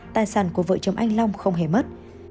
tài sản của vợ chồng anh long không hề mất